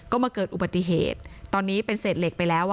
ก็มาเกิดอุบัติเหตุตอนนี้เป็นเศษเหล็กไปแล้ว